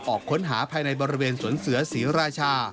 ออกค้นหาภายในบริเวณสวนเสือศรีราชา